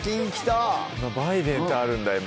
バイデンってあるんだ今。